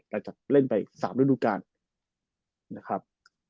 และจะเล่นไป๓รูปการณ์นะครับ